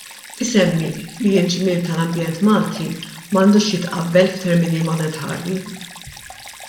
Isemmi li l-ġmiel tal-ambjent Malti m'għandux jitqabbel f'termini monetarji.